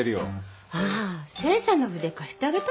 あ清さんの筆貸してあげたら？